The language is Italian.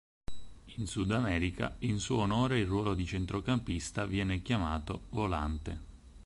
In Sudamerica, in suo onore il ruolo di centrocampista viene chiamato "volante".